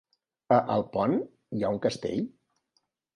A Alpont hi ha un castell?